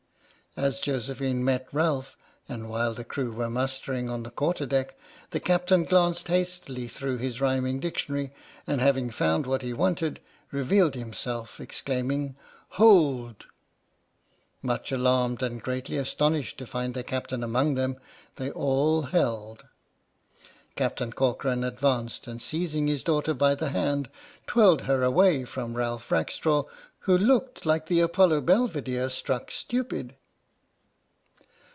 As Josephine met Ralph, and while the crew were mustering on the quarter deck, the Captain glanced hastily through his rhyming dictionary, and, having found what he wanted, revealed himself, exclaiming " Hold !" Much alarmed and greatly astonished to find their Captain among them, they all held. Captain Corcoran advanced and seizing his daughter by the hand twirled her away from Ralph 105 p H.M.S. "PINAFORE" Rackstraw, who looked like the Apollo Belvedere struck stupid.